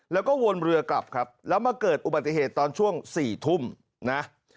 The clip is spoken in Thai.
แล้วก็วนเรือกลับครับแล้วมาเกิดอุบัติเหตุตอนช่วง๔ทุ่มนะ